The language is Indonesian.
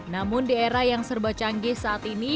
namun di era yang serba canggih saat ini